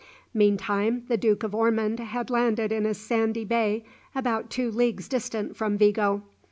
Meantime the Duke of Ormond had landed in a sandy bay about two leagues distant from Vigo.